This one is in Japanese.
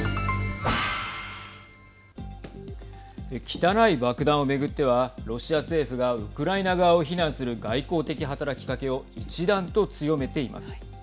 汚い爆弾を巡ってはロシア政府がウクライナ側を非難する外交的働きかけを一段と強めています。